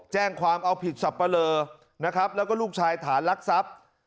แจ้งความเอาผิดสับปะเลอนะครับแล้วก็ลูกชายฐานรักทรัพย์